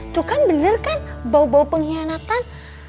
tuh kan bener kan bau bau pengkhianatan